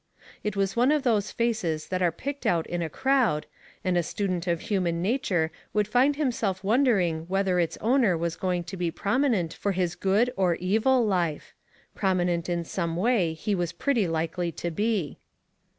It was one of those faces that are picked out in a crowd, and a student of human nature would find himself wondering whether its owner was going to be prominent for his good or evil life — prominent in some way he was pretty likely to be.